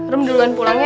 rum duluan pulang ya